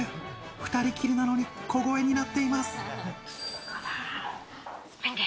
２人きりなのに小声になっています。